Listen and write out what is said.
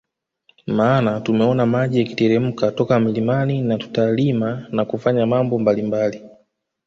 Maana tumeona maji yakiteremka toka milimani na tutalima na kufanya mambo mbalimbali